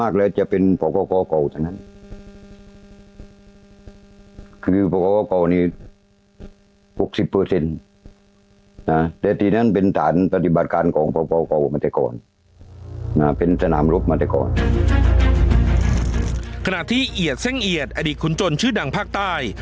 ขณะที่เอียดเส้งเอียดอดีตขุนจนชื่อดังภาคใต้